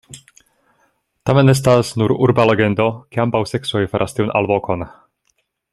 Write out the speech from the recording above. Tamen estas nur urba legendo ke ambaŭ seksoj faras tiun alvokon.